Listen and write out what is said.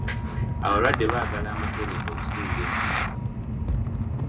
Abalwadde baagala amakerenda okusinga empiso.